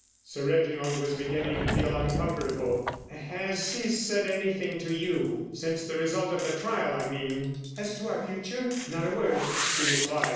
Sir Reginald was beginning to feel uncomfortable. "Has he said anything to you—since the result of the trial, I mean?" "As to our future? Not a word," she replied.